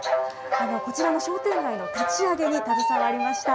こちらの商店街の立ち上げに携わりました。